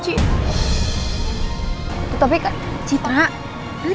diantara gue sama dia udah sepakat buat saling gak kenal lagi